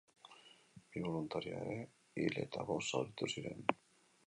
Bi boluntario ere hil eta bost zauritu ziren.